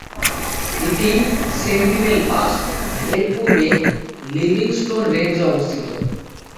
এটি "Sentinel Pass" এর পূর্বে লিভিংস্টোন রেঞ্জে অবস্থিত।